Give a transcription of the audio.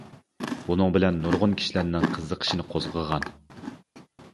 بۇنىڭ بىلەن نۇرغۇن كىشىلەرنىڭ قىزىقىشىنى قوزغىغان.